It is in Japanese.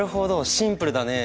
シンプルだね！